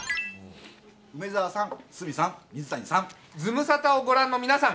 梅澤さん、鷲見さん、水谷さズムサタをご覧の皆さん。